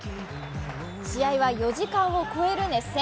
試合は４時間を超える熱戦。